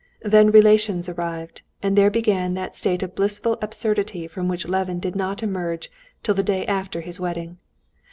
Then relations arrived, and there began that state of blissful absurdity from which Levin did not emerge till the day after his wedding.